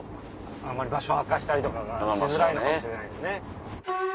あまり場所明かしたりとかがしづらいのかもしれないですね。